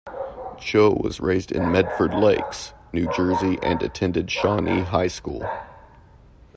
Tchou was raised in Medford Lakes, New Jersey and attended Shawnee High School.